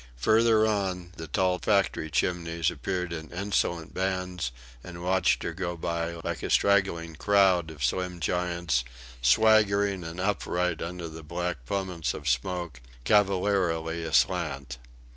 Further on, the tall factory chimneys appeared in insolent bands and watched her go by, like a straggling crowd of slim giants, swaggering and upright under the black plummets of smoke, cavalierly aslant.